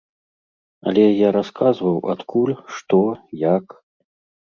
Але я расказваў, адкуль, што, як.